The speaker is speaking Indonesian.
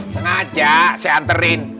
sengaja saya anterin